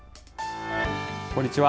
こんにちは。